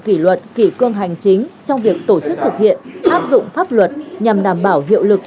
kỷ luật kỷ cương hành chính trong việc tổ chức thực hiện áp dụng pháp luật nhằm đảm bảo hiệu lực